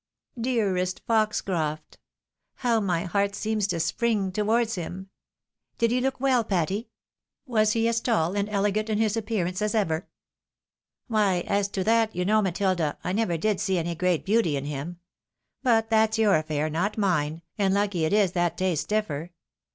Dearest Foxcroft ! How my heart seems to spring towards him ! Did he look well, Patty ?— Was he as tall and elegant as ever ?"" Why, as to that, you know, Matilda, I never did see any great beauty in him. But that's your affair, not mine, and lucky it is that tastes differ.